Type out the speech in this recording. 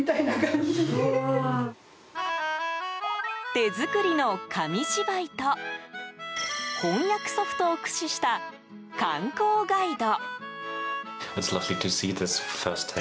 手作りの紙芝居と翻訳ソフトを駆使した観光ガイド。